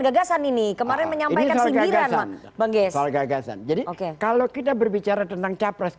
gagasan ini kemarin menyampaikan sindiran bang gies gagasan jadi oke kalau kita berbicara tentang capres